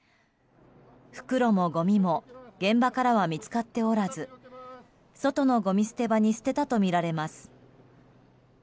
袋もごみも現場からは見つかっておらず外のごみ捨て場に捨てたとみられます。